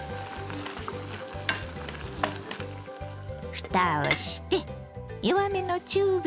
ふたをして弱めの中火。